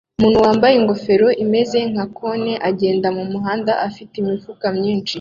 Umuntu wambaye ingofero imeze nka cone agenda mumuhanda afite imifuka myinshi